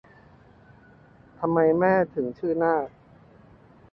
ทำไมแม่ถึงชื่อนาก